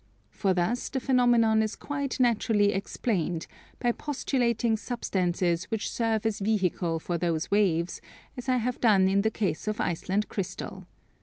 For thus the phenomenon is quite naturally explained, by postulating substances which serve as vehicle for these waves, as I have done in the case of Iceland Crystal.